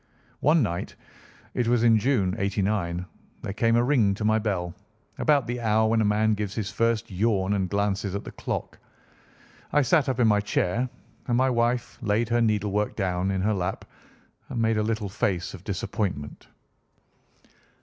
One night—it was in June, '89—there came a ring to my bell, about the hour when a man gives his first yawn and glances at the clock. I sat up in my chair, and my wife laid her needle work down in her lap and made a little face of disappointment.